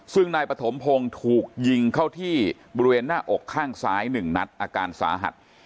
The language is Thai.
ซึ่งนายปฐมพงศ์ถูกยิงเข้าที่บริเวณหน้าอกข้างซ้าย๑นัดอาการสาหัส